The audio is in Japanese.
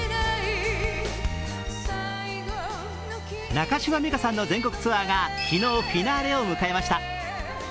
中島美嘉さんの全国ツアーが昨日、フィナーレを迎えました。